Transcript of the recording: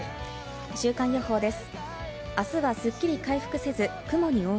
週間予報です。